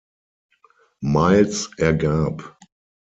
Miles ergab.